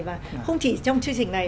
và không chỉ trong chương trình này